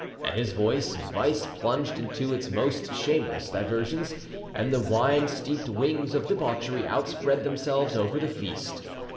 At his voice, vice plunged into its most shameless diversions, and the wine steeped wings of debauchery outspread themselves over the feast.